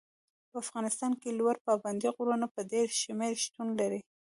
په افغانستان کې لوړ پابندي غرونه په ډېر شمېر شتون لري.